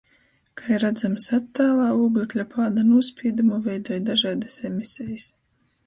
Kai radzams attālā, ūglekļa pāda nūspīdumu veidoj dažaidys emisejis.